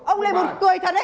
ông lên một cười thật đấy